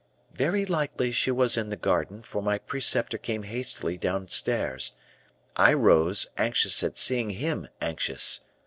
"Very likely she was in the garden; for my preceptor came hastily downstairs. I rose, anxious at seeing him anxious.